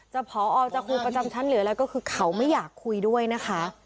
ผอจะครูประจำชั้นหรืออะไรก็คือเขาไม่อยากคุยด้วยนะคะ